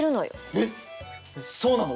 えっそうなの！？